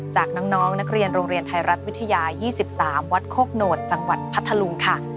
จากน้องนักเรียนโรงเรียนไทยรัฐวิทยา๒๓วัดโคกโหนดจังหวัดพัทธลุงค่ะ